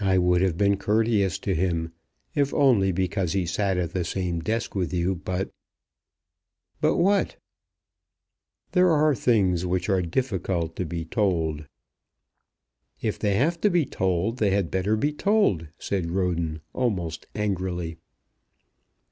"I would have been courteous to him, if only because he sat at the same desk with you; but " "But what?" "There are things which are difficult to be told." "If they have to be told, they had better be told," said Roden, almost angrily.